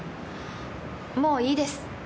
もういいです。